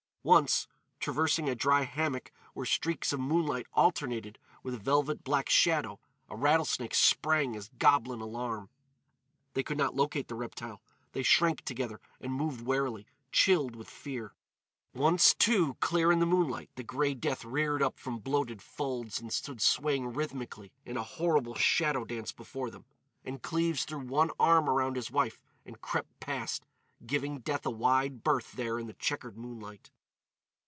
Once, traversing a dry hammock where streaks of moonlight alternated with velvet black shadow a rattlesnake sprang his goblin alarm. They could not locate the reptile. They shrank together and moved warily, chilled with fear. Once, too, clear in the moonlight, the Grey Death reared up from bloated folds and stood swaying rhythmically in a horrible shadow dance before them. And Cleves threw one arm around his wife and crept past, giving death a wide berth there in the checkered moonlight.